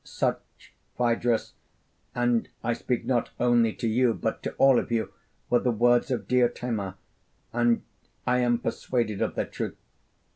Such, Phaedrus and I speak not only to you, but to all of you were the words of Diotima; and I am persuaded of their truth.